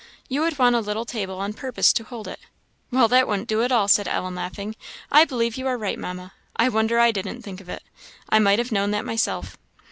You would want a little table on purpose to hold it." "Well, that wouldn't do at all," said Ellen, laughing. "I believe you are right, Mamma; I wonder I didn't think of it. I might have known that myself."